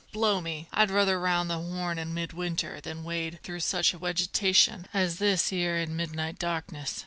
Blow me! I'd ruther round the Horn in mid winter than wade through such wegetation as this 'ere in midnight darkness!